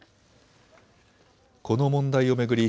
この問題を巡り